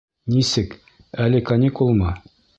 — Нисек, әле каникулмы?